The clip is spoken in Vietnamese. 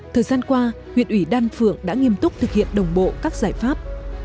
thời gian qua huyện ủy đan phượng đã nghiêm túc thực hiện đồng bộ các giải pháp